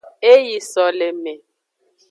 E yi soleme.